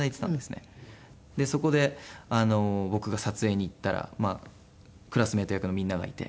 そこで僕が撮影に行ったらクラスメート役のみんながいて。